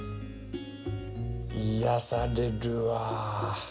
癒やされるわ。